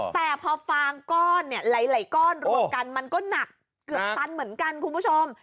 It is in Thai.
แต่พอฟางก้อนเนี่ยหลายก้อนรวมกันมันก็หนักเกือบตันเหมือนกันคุณผู้ชม